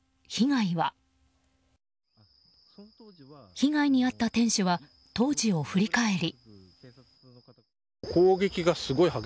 被害に遭った店主は当時を振り返り。